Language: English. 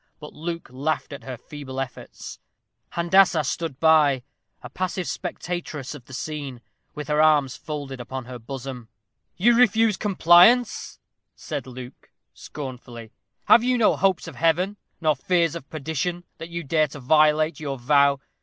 But Luke laughed at her feeble efforts. Handassah stood by, a passive spectatress of the scene, with her arms folded upon her bosom. "You refuse compliance," said Luke, scornfully. "Have you no hopes of Heaven, no fears of perdition, that you dare to violate your vow?